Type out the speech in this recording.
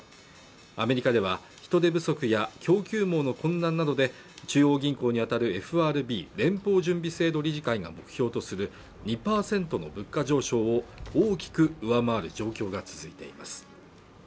アメリカでは人手不足や供給網の混乱などで中央銀行にあたるＦＲＢ＝連邦準備制度理事会が目標とする２％の物価上昇を大きく上回る状況が続いています